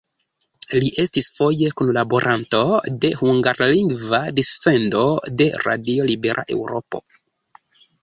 Li estis foje kunlaboranto de hungarlingva dissendo de Radio Libera Eŭropo.